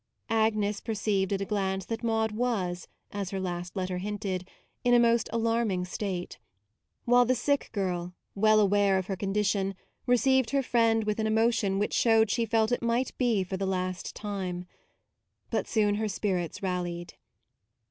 Agnes perceived at a glance that Maude was, as her last letter hinted, in a most alarming state: while the sick girl, well aware of her condition, received her friend with an emotion which showed she felt it might be for the last time. But soon her spirits rallied.